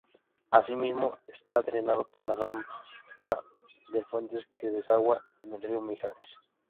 Asimismo está drenado por la rambla de Fuentes, que desagua en el río Mijares.